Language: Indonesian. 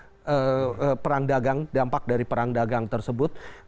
dan juga perang dagang dampak dari perang dagang tersebut